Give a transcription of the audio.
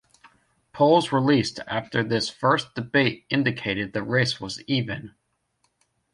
Polls released after this first debate indicated the race was even.